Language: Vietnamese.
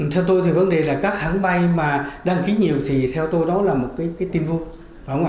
theo tôi thì vấn đề là các hãng bay mà đăng ký nhiều thì theo tôi đó là một cái tin vu